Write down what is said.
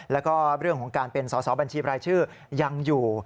แล้วก็เรื่องของการเป็นสอสอบัญชีบรายชื่อยังอยู่